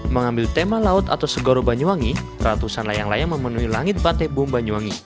mengambil tema laut atau segoro banyuwangi ratusan layang layang memenuhi langit pantai bom banyuwangi